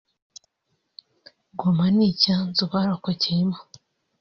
Goma ni icyanzu barokokeyemo